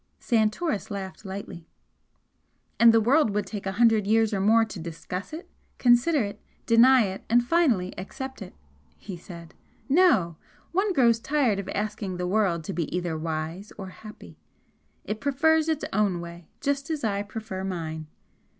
Santoris laughed lightly. "And the world would take a hundred years or more to discuss it, consider it, deny it, and finally accept it," he said "No! One grows tired of asking the world to be either wise or happy. It prefers its own way just as I prefer mine.